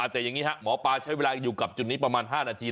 แต่อย่างนี้ฮะหมอปลาใช้เวลาอยู่กับจุดนี้ประมาณ๕นาที